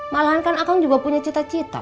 malah kan akang juga punya cita cita